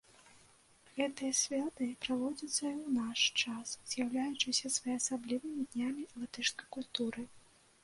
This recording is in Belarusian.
Гэтыя святы праводзяцца і ў наш час, з'яўляючыся своеасаблівымі днямі латышскай культуры.